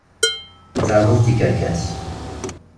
Tεelmeḍ d tikerkas.